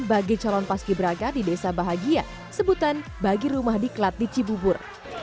bagi calon paski beraka di desa bahagia sebutan bagi rumah diklat di cibubur